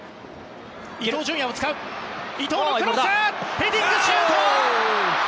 ヘディングシュート！